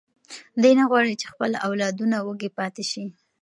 دی نه غواړي چې خپل اولادونه وږي پاتې شي.